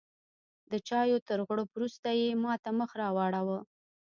د چایو تر غوړپ وروسته یې ماته مخ راواړوه.